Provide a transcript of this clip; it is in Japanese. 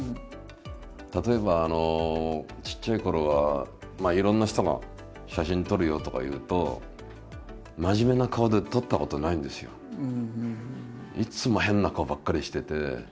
例えばちっちゃいころはいろんな人が「写真撮るよ」とか言うといつも変な顔ばっかりしてて。